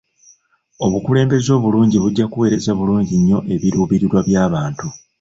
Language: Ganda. Obukulembeze obulungi bujja kuweereza bulungi nnyo ebiruubirirwa by'abantu.